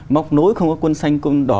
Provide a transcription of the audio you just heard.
mốc nối không có quân xanh quân đỏ